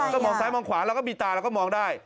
ก็มองซ้ายมองขวาเราก็มีตาเราก็มองได้